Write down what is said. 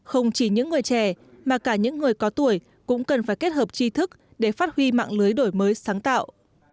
không chỉ những người trẻ mà cả những người có tuổi cũng cần phải kết hợp chi thức để phát huy mạng lưới đổi mới sáng tạo